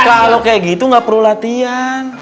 kalau kaya gitu ign perlu latihan